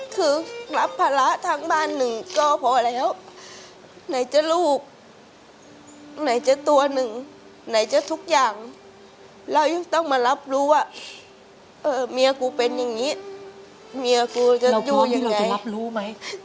คือรับภาระทางบ้านหนึ่งก็พอแล้วไหนจะลูกไหนจะตัวหนึ่งไหนจะทุกอย่างเรายังต้องมารับรู้ว่าเออเมียกูเป็นอย่างนี้เมียกูจะอยู่ยังไงรับรู้ไหม